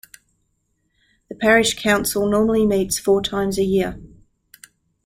The parish council normally meets four times a year.